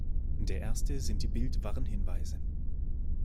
Der erste sind die Bildwarnhinweise.